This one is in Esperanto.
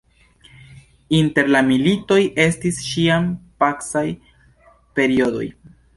Inter la militoj estis ĉiam pacaj periodoj.